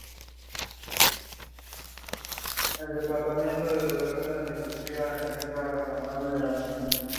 Otros son inusuales o únicos en colecciones públicas australianas.